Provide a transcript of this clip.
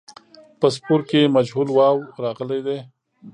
په سپور کې مجهول واو راغلی دی.